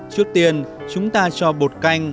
trước tiên chúng ta cho bột canh